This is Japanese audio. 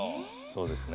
そうですね。